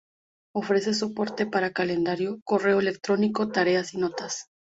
Ofrece soporte para calendario, Correo electrónico, tareas y notas.